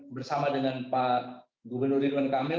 bersama dengan pak gubernur ridwan kamil